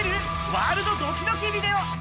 ワールドドキドキビデオ。